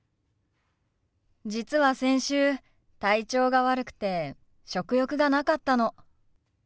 実は先週体調が悪くて食欲がなかったの。